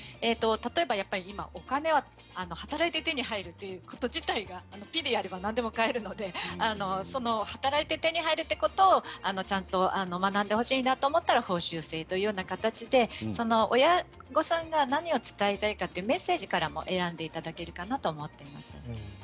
例えば、今、お金が働いて手に入るということ自体がぴっとやれば何でも買えるので働いて買えるというのをちゃんと学んでほしいなと思ったら報酬制という形で親御さんが何を伝えたいかメッセージから選んでいただけるかなと思います。